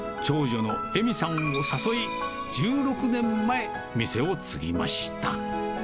長女の恵美さんを誘い、１６年前、店を継ぎました。